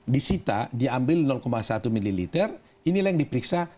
disita diambil satu ml inilah yang diperiksa